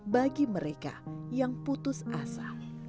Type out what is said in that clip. bagi mereka yang putus asa